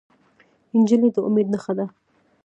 نجلۍ د امید نښه ده.